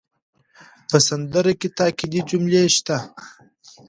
په سندره کې تاکېدي جملې شته.